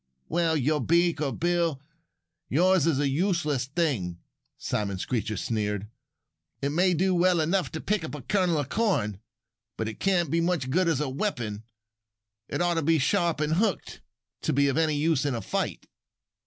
"Well, beak or bill, yours is a useless thing," Simon Screecher sneered. "It may do well enough to pick up a kernel of corn. But it can't be much good as a weapon. It ought to be sharp and hooked to be of any use in a fight."